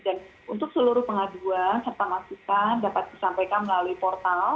dan untuk seluruh pengaduan serta maksikan dapat disampaikan melalui portal